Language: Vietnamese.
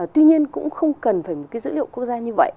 tuy nhiên cũng không cần phải một cái dữ liệu quốc gia như vậy